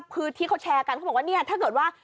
คือที่เขาแชร์กันเขาบอกว่าเนี่ยถ้าเกิดว่า